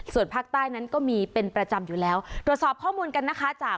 ส่วนภาคใต้นั้นก็มีเป็นประจำอยู่แล้วตรวจสอบข้อมูลกันนะคะจาก